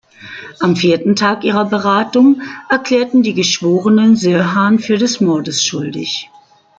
Am vierten Tag ihrer Beratung erklärten die Geschworenen Sirhan für des Mordes schuldig.